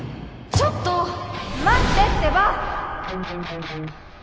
ちょっと待ってってば！